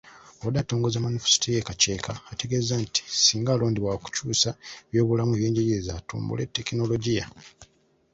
Bw'abadde atongoza Manifesito e Kakyeeka, ategeezezza nti singa alondebwa, waakukyusa ebyobulamu, eby'enjigiriza, atumbule tekinologiya.